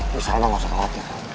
bisa ma gak usah khawatir